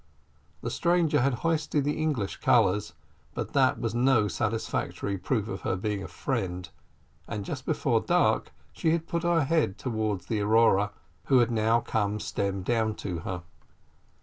The stranger had hoisted the English colours, but that was no satisfactory proof of her being a friend; and just before dark she had put her head towards the Aurora, who had now come stem down to her.